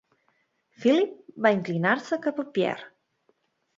Philip va inclinar-se cap a Pierre.